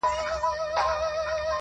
له هغه پیونده جوړ د ژوندون خوند کړي.